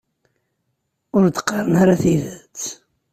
Ur d-qqaren ara tidet.